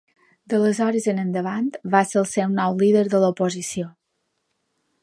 D'aleshores en endavant va ser el nou líder de l'oposició.